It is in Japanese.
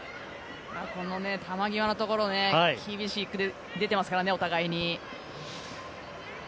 球際のところ厳しく出てますからねお互いに。